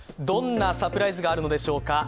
どんなサプライズがあるのでしょうか。